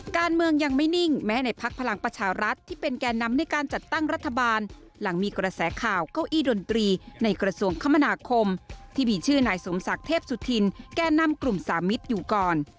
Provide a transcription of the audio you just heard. การเมืองยังไม่นิ่งแม้ในพักพลังประชารัฐที่เป็นแก่นำในการจัดตั้งรัฐบาลหลังมีกระแสข่าวเก้าอี้ดนตรีในกระทรวงคมนาคมที่มีชื่อนายสมศักดิ์เทพสุธินแก่นำกลุ่มสามิตรอยู่ก่อน